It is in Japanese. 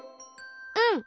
うん。